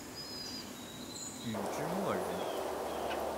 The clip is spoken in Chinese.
禹之谟人。